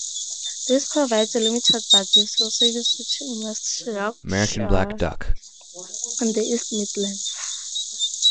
This provides a limited but useful service between West Yorkshire and the East Midlands.